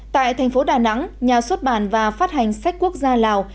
tại thành phố đà nẵng nhà xuất bản và phát hành sách quốc gia lào